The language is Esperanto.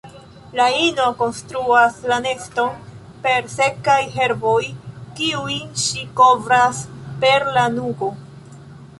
La ino konstruas la neston per sekaj herboj kiujn ŝi kovras per lanugo.